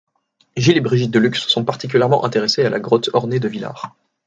Gilles et Brigitte Delluc se sont particulièrement intéressés à la grotte ornée de Villars.